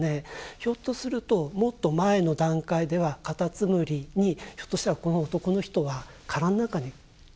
ひょっとするともっと前の段階ではカタツムリにひょっとしたらこの男の人は殻の中に閉じ籠もっていたのかもしれない。